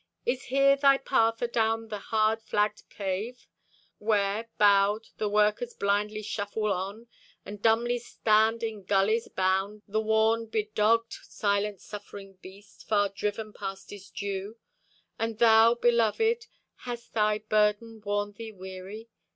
Is here thy path adown the hard flagged pave, Where, bowed, the workers blindly shuffle on; And dumbly stand in gullies bound, The worn, bedogged, silent suffering beast, Far driven past his due? And thou, beloved, hast thy burden worn thee weary?